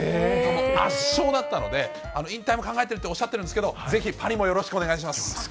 圧勝だったので、引退も考えているとおっしゃっているんですけれども、ぜひ、パリもよろしくお願いします。